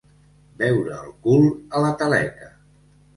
Veure el cul a la taleca.